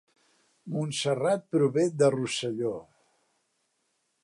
Montserrat prové de Rosselló